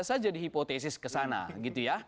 bisa saja di hipotesis kesana gitu ya